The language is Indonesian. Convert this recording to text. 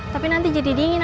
tapi nanti jadi dingin